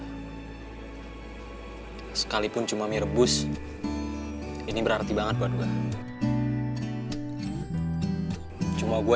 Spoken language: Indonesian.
hai sekalipun cuma mie rebus ini berarti banget buat gue